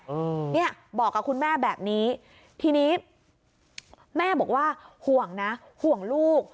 อืมเนี่ยบอกกับคุณแม่แบบนี้ทีนี้แม่บอกว่าห่วงนะห่วงลูก